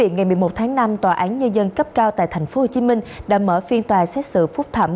ngày một mươi một tháng năm tòa án nhân dân cấp cao tại tp hcm đã mở phiên tòa xét xử phúc thẩm